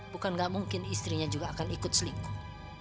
bukan gak mungkin istrinya juga akan ikut selingkuh